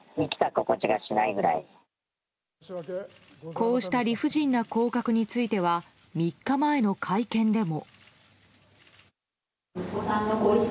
こうした理不尽な降格については３日前の会見でも。